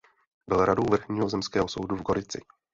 Byl radou vrchního zemského soudu v Gorici.